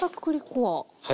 はい。